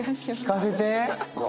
聞かせて！